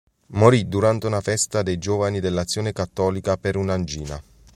Morì durante una festa dei giovani dell'Azione Cattolica per un'angina.